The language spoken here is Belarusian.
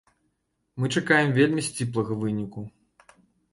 Мы чакаем вельмі сціплага выніку.